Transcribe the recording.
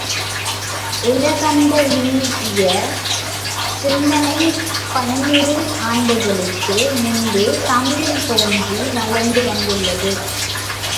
உலகந்தழீஇய சிந்தனை பன்னூறு ஆண்டுகளுக்கு முன்பே தமிழில் தோன்றி வளர்ந்து வந்துள்ளது.